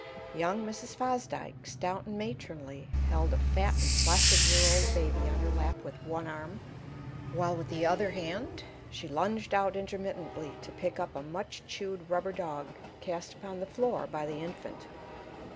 Young Mrs. Fosdyke, stout and matronly, held a fat and placid year old baby on her lap with one arm, while with the other hand she lunged out intermittently to pick up a much chewed rubber dog cast upon the floor by the infant.